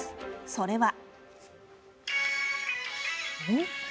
それは。